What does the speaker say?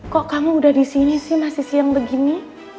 kok kamu udah disini sih masih siang begini